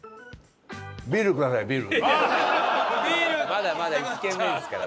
まだまだ１軒目ですから。